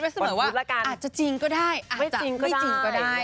ไอ้คิดไว้เสมอว่าอาจจะจริงก็ได้อาจจะไม่จริงก็ได้นะคะ